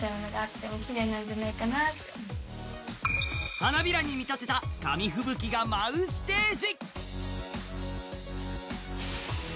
花びらに見立てた紙吹雪が舞うステージ。